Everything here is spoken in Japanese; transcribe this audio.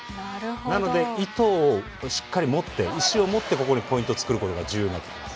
なので、意図をしっかりと持って意思を持ってポイントを作ることが重要になってきます。